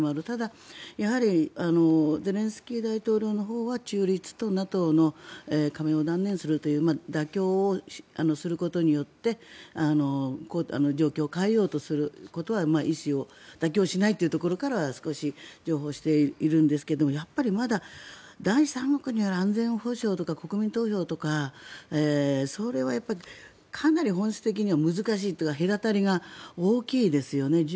ただ、やはりゼレンスキー大統領のほうは中立とＮＡＴＯの加盟を断念するという妥協をすることによって状況を変えようとすることは意思を妥協しないというところからは少し譲歩しているんですけどやっぱりまだ第三国に安全保障とか国民投票とか、それはかなり本質的には難しいというか隔たりが大きいですよね。